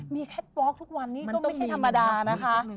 มีแคทปลอกทุกวันนี้ก็ไม่ใช่ธรรมดานะคะ